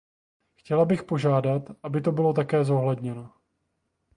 Chtěla bych požádat, aby to bylo také zohledněno.